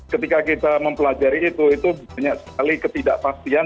ketika kita mempelajari itu itu banyak sekali ketidakpastian